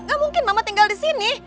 gak mungkin mama tinggal di sini